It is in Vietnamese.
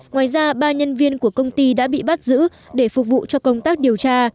ngoài ra ba nhân viên của công ty đã bị bắt giữ để phục vụ cho công tác điều tra